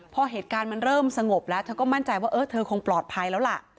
พอเหตุการณ์มันเริ่มสงบแล้วเธอก็มั่นใจว่าเออเธอคงปลอดภัยแล้วล่ะ